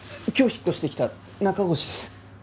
今日引っ越してきた中越です。